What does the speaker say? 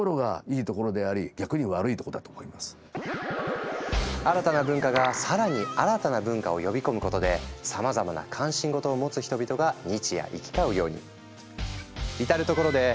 だから新たな文化が更に新たな文化を呼び込むことでさまざまな関心事を持つ人々が日夜行き交うように。